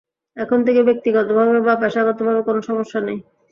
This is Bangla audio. এখন থেকে ব্যক্তিগতভাবে বা পেশাগতভাবে কোনো সমস্যা নেই।